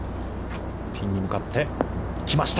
ピンに向かって来ました。